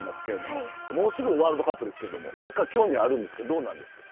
もうすぐワールドカップですがサッカー興味あるんですか。